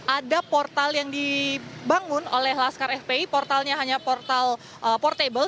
ada portal yang dibangun oleh laskar fpi portalnya hanya portal portable